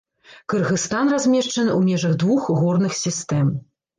Кыргызстан размешчаны ў межах двух горных сістэм.